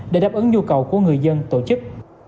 để đáp ứng nhu cầu của người dân tổ chức